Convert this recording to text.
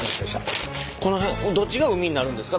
この辺どっちが海になるんですか？